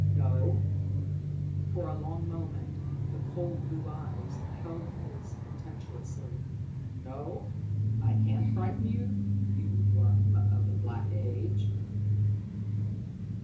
"No?" For a long moment, the cold blue eyes held his contemptuously. "No? I can't frighten you you worm of the Black Age?"